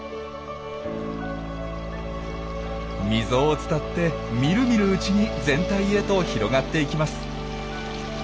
溝を伝ってみるみるうちに全体へと広がっていきます。